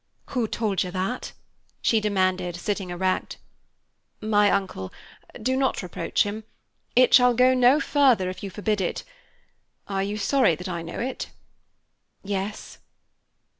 "Who told you that?" she demanded, sitting erect. "My uncle. Do not reproach him. It shall go no further, if you forbid it. Are you sorry that I know it?" "Yes."